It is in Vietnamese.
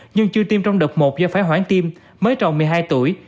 nhưng chưa tiêm trong đợt một do phải hoãn tim mới tròn một mươi hai tuổi